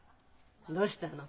どうしたの？